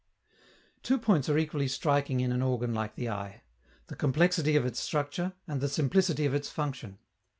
Two points are equally striking in an organ like the eye: the complexity of its structure and the simplicity of its function.